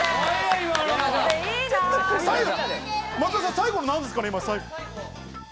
最後のなんですかね？